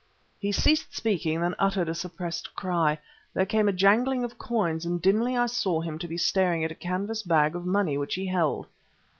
He ceased speaking; then uttered a suppressed cry. There came a jangling of coins, and dimly I saw him to be staring at a canvas bag of money which he held.